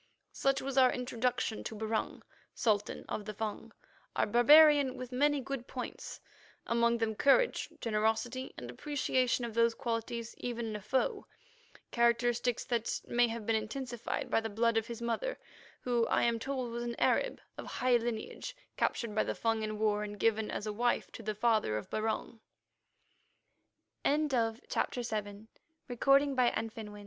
Such was our introduction to Barung, Sultan of the Fung, a barbarian with many good points, among them courage, generosity, and appreciation of those qualities even in a foe, characteristics that may have been intensified by the blood of his mother, who, I am told, was an Arab of high lineage captured by the Fung in war and given as a wife to the father of Barung. CHAPTER VIII. THE SHADOW OF FATE Our r